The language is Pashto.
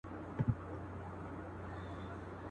پر پاتا یې نصیب ژاړي په سرو سترګو.